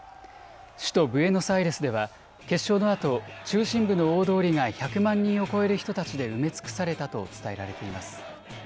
首都ブエノスアイレスでは決勝のあと、中心部の大通りが１００万人を超える人たちで埋め尽くされたと伝えられています。